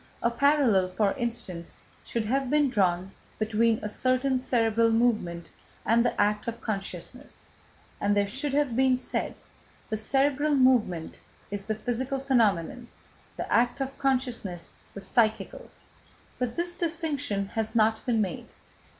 A parallel, for instance, should have been drawn between a certain cerebral movement and the act of consciousness, and there should have been said: "The cerebral motion is the physical phenomenon, the act of consciousness the psychical." But this distinction has not been made.